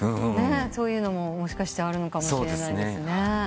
そういうのももしかしてあるのかもしれないですね。